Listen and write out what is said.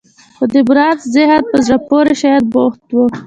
خو د بارنس ذهن په زړه پورې شيانو بوخت و.